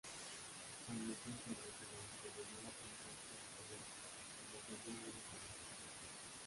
Amnistía Internacional condenó a la policía por fallar en defender a los manifestantes.